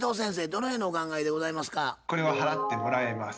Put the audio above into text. どのようにお考えでございますか？